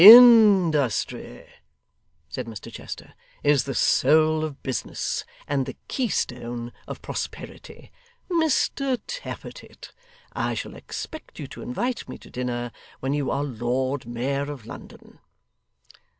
'Industry,' said Mr Chester, 'is the soul of business, and the keystone of prosperity. Mr Tappertit, I shall expect you to invite me to dinner when you are Lord Mayor of London.